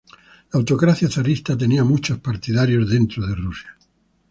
La autocracia zarista tenía muchos partidarios dentro de Rusia.